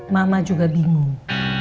mama juga bingung